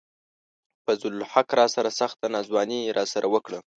فضل الحق راسره سخته ناځواني راسره وڪړه